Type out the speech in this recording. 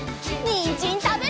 にんじんたべるよ！